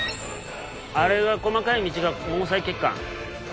あれが細かい道が毛細血管。